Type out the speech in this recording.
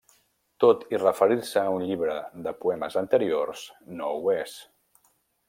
Tot i referir-se a un llibre de poemes anterior, no ho és.